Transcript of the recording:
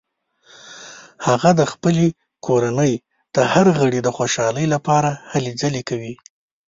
هغه د خپلې کورنۍ د هر غړي د خوشحالۍ لپاره هلې ځلې کوي